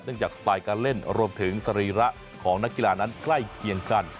จากสไตล์การเล่นรวมถึงสรีระของนักกีฬานั้นใกล้เคียงกัน